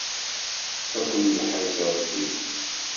Ad ken-yeḥrez Ṛebbi.